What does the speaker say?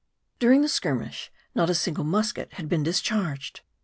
DURING the skirmish not a single musket had been dis charged.